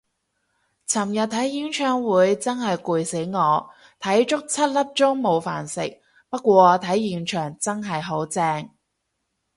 尋日睇演唱會真係攰死我，睇足七粒鐘冇飯食，不過睇現場真係好正